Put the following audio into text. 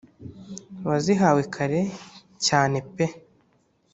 wazihawe kare, cyane pe